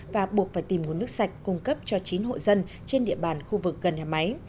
và buộc phải tìm nguồn nước sạch cung cấp cho chín hộ dân trên địa bàn khu vực gần nhà máy